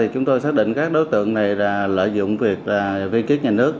chúng tôi xác định các đối tượng này lợi dụng việc viên kiếp nhà nước